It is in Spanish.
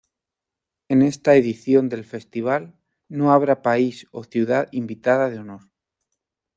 En esta edición del festival no habrá pais o ciudad invitada de honor.